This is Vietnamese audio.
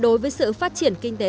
đối với sự phát triển kinh tế